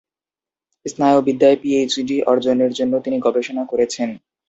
স্নায়ু বিদ্যায় পিএইচডি অর্জনের জন্য তিনি গবেষণা করেছেন।